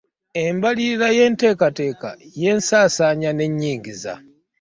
Embalirira y’enteekateeka y’ensaasaanya n’ennyingiza.